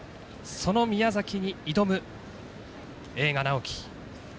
その宮崎に挑む栄花直輝」。